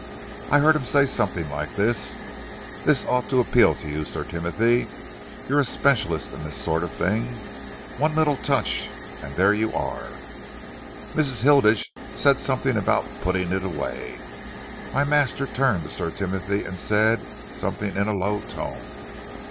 I heard him say something like this. 'This ought to appeal to you, Sir Timothy. You're a specialist in this sort of thing. One little touch, and there you are.' Mrs. Hilditch said something about putting it away. My master turned to Sir Timothy and said something in a low tone.